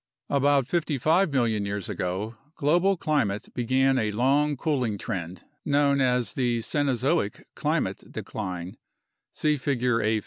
About 55 million years ago global climate began a long cooling trend known as the Cenozoic climate decline (see Figure A.